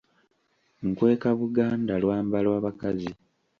NkwekaBuganda lwambalwa bakazi.